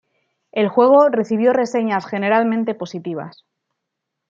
El juego recibió reseñas generalmente positivas.